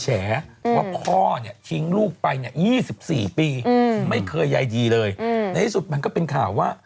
แชร่ว่าพ่อเนี่ยชิงลูกไปเนี่ย๒๔ปีไม่เคยยงีย์เลยแล้วสุดมันก็เป็นข่าวว่า